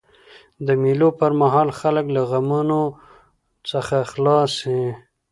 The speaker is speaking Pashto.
د مېلو پر مهال خلک له غمونو څخه خلاص يي.